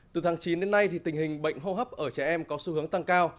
từ tháng chín đến nay tình hình bệnh hô hấp ở trẻ em có xu hướng tăng cao